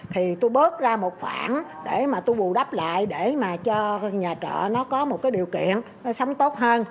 thì tôi bớt ra một khoảng để mà tôi bù đắp lại để mà cho nhà trợ nó có một cái điều kiện sống tốt hơn